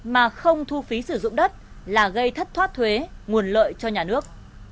mà không thu phí sử dụng đất là gây thất thoát thuế nguồn lợi cho nhà nước